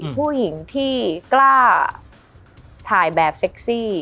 ผู้หญิงที่กล้าถ่ายแบบเซ็กซี่